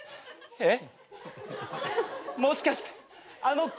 えっ？